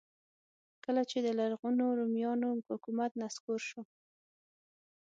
کله چې د لرغونو رومیانو حکومت نسکور شو.